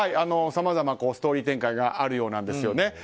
さまざま、ストーリー展開があるようなんですよね。